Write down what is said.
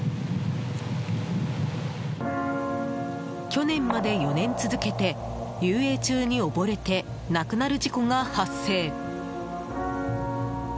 去年まで４年続けて遊泳中に溺れて亡くなる事故が発生。